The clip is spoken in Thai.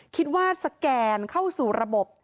คิดว่าสแกนเข้าสู่ระบบ